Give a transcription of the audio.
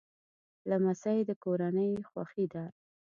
لمسی د کورنۍ خوښي ده.